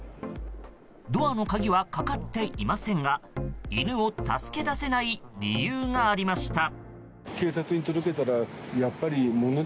ドアの鍵はかかっていませんが犬を助け出せない理由がありました。